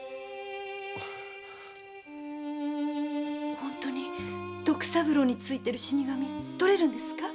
本当に徳三郎に憑いてる死神取れるんですか？